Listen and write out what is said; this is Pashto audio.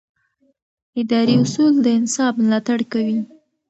اداري اصول د انصاف ملاتړ کوي.